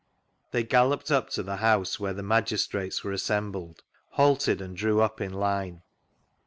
They galloped up to the house where the Magistrates were assembled, halted, and drew up in line.